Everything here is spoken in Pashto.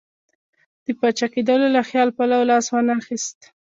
د پاچا کېدلو له خیال پلو لاس وانه خیست.